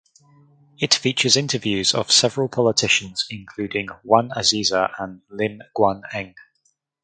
It features interviews of several politicians including Wan Azizah and Lim Guan Eng.